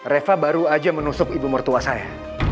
reva baru aja menusuk ibu mertua saya